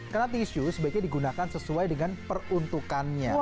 karena tisu sebaiknya digunakan sesuai dengan peruntukannya